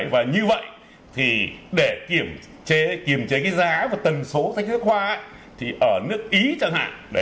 và như vậy thì để kiểm trí cái giá và tần số sách giáo khoa thì ở nước ý chẳng hạn